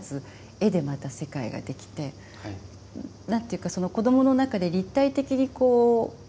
絵でまた世界ができて何ていうかその子どもの中で立体的に形世界が。